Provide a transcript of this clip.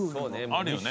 あるよね。